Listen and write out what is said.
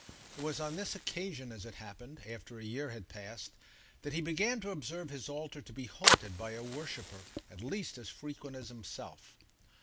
It was on this occasion, as it happened, after a year had passed, that he began to observe his altar to be haunted by a worshipper at least as frequent as himself.